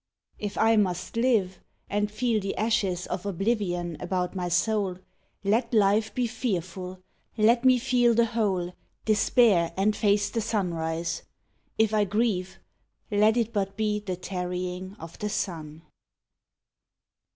If I must live, And feel the ashes of oblivion About my soul, Let life be fearful, let me feel the whole, Despair, and face the sunrise if I grieve Let it but be the tarrying of the sun.